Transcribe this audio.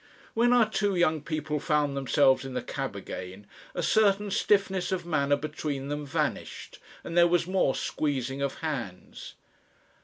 When our two young people found themselves in the cab again a certain stiffness of manner between them vanished and there was more squeezing of hands.